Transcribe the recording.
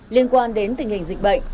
liên quan đến tình hình dịch bệnh